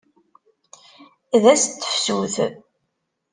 D ass n tefsut.